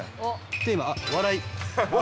テーマは笑い。